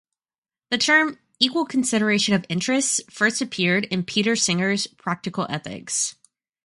The term "equal consideration of interests" first appeared in Peter Singer's "Practical Ethics".